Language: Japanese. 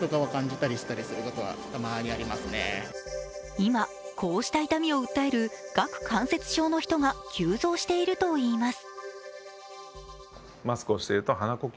今こうした痛みを訴える顎関節症の人が急増しているといいます。